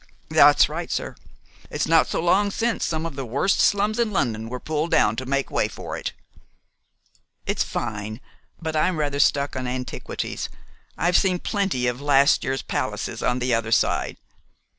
"That's right, sir. It's not so long since some of the worst slums in London were pulled down to make way for it." "It's fine; but I'm rather stuck on antiquities. I've seen plenty of last year's palaces on the other side.